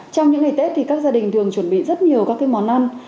trong những ngày tết thì các gia đình thường chuẩn bị rất nhiều các món ăn